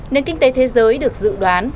nền kinh tế thế giới được dự đoán